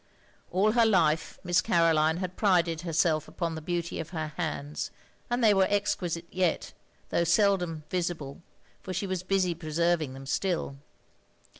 All her life Miss Caroline had prided herself upon the beauty of her hands, and they were exquisite yet, though seldom visible, for she was busy preserving them still.